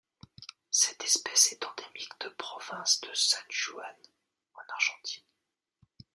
Cette espèce est endémique de province de San Juan en Argentine.